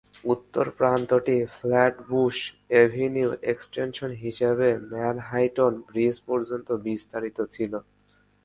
উত্তর প্রান্তটি Flatbush Avenue Extension হিসাবে ম্যানহাটন ব্রিজ পর্যন্ত প্রসারিত ছিল।